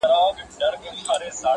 له ژرندي زه راځم، د مزد حال ئې ته لرې.